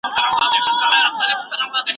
کورنۍ باید همغږي وساتي.